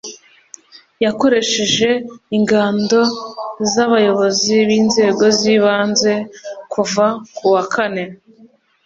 Yakoresheje ingando z Abayobozi b Inzego z Ibanze kuva ku wa kane